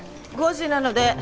５時なので。